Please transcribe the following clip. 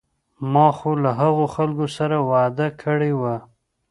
ما خو له هغو خلکو سره وعده کړې وه.